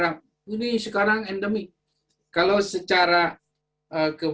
misalnya kita adalah negara yang sedang mengalami pandemi